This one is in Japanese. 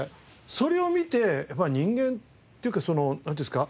それを見てやっぱ人間っていうかそのなんていうんですか。